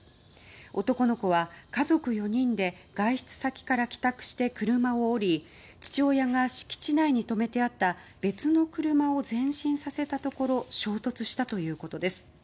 男の子は家族４人で外出先から帰宅して車を降り父親が敷地内に止めてあった別の車を前進させたところ衝突したということです。